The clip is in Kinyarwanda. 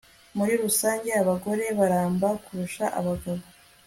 Muri rusange abagore baramba kurusha abagabo